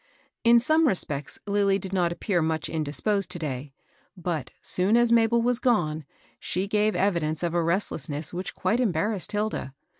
In some respects Lilly did not appear much indisposed to day; but, soon as Mabel was gone, she gave evidence of a restlessness which quite embarrassed Hilda.